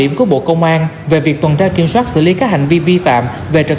kết quả tất cả các loại xe đều đồng tình với các hành vi vi phạm hơn ai hết